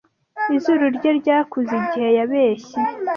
Izuru rye ryakuze igihe yabeshye